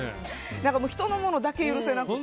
人のものだけ許せなくて。